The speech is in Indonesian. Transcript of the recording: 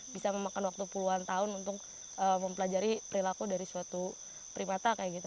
bisa memakan waktu puluhan tahun untuk mempelajari perilaku dari suatu primata kayak gitu